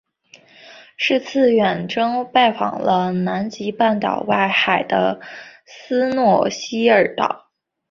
是次远征拜访了南极半岛外海的斯诺希尔岛。